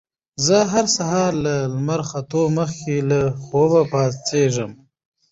زه هر سهار له لمر ختو مخکې له خوبه پاڅېږم